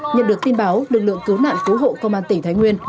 nhận được tin báo lực lượng cứu nạn cứu hộ công an tỉnh thái nguyên